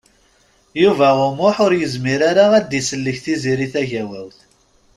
Yuba U Muḥ ur yezmir ara ad d-isellek Tiziri Tagawawt.